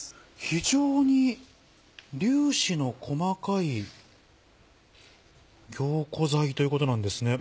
非常に粒子の細かい凝固剤ということなんですね。